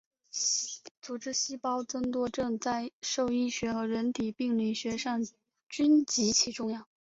组织细胞增多症在兽医学和人体病理学上均极其重要。